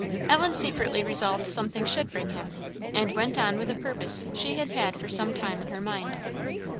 Ellen secretly resolved something should bring him; and went on with a purpose she had had for some time in her mind.